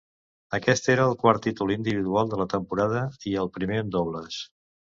Aquest era el quart títol individual de la temporada i el primer en dobles.